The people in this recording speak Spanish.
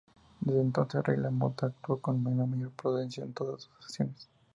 Desde entonces Regla Mota actuó con una mayor prudencia en todas sus acciones.